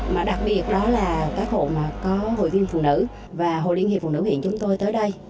mà đặc biệt đó là các hộ mà có hội viên phụ nữ và hội liên hiệp phụ nữ huyện chúng tôi tới đây